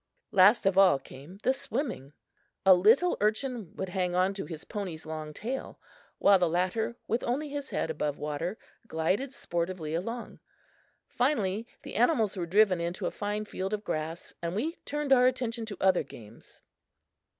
Last of all came the swimming. A little urchin would hang to his pony's long tail, while the latter, with only his head above water, glided sportively along. Finally the animals were driven into a fine field of grass and we turned our attention to other games.